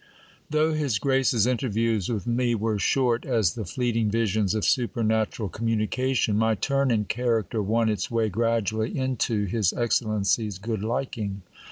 Though his grace's interviews with me were short as the fleeting visions of supernatural communication, my turn and character won its way gradually into his excellency's good liking.